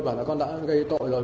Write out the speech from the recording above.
bảo là con đã gây tội rồi